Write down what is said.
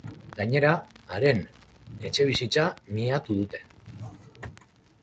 Gainera, haren etxebizitza miatu dute.